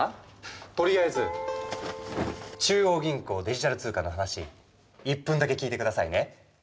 とりあえず。中央銀行デジタル通貨の話１分だけ聞いてくださいね。